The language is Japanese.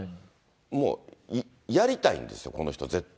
もうやりたいんですよ、この人、絶対。